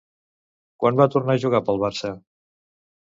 Quan va tornar a jugar per al Barça?